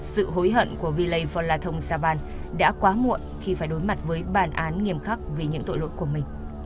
sự hối hận của villei phonla thong savan đã quá muộn khi phải đối mặt với bàn án nghiêm khắc vì những tội lỗi của mình